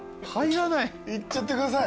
いっちゃってください。